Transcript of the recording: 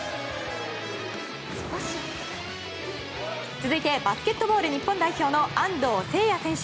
続いてバスケットボール日本代表の安藤誓哉選手。